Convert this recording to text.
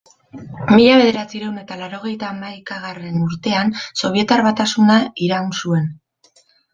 Mila bederatziehun eta laurogeita hamaikagarren urtean Sobietar Batasuna iraun zuen.